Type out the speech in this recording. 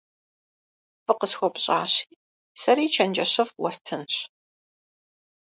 Фӏы къысхуэпщӏащи, сэри чэнджэщыфӏ уэстынщ.